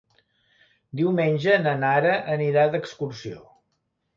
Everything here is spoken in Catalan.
Diumenge na Nara anirà d'excursió.